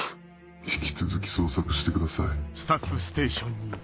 引き続き捜索してください。